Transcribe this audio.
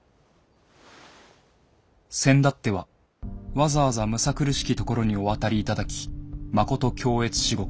「せんだってはわざわざむさ苦しきところにお渡り頂きまこと恐悦至極。